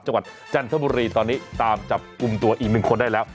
จังหวัดจันทบุรีตอนนี้ตามจับอุ้มตัวอีก๑คนได้แล้ว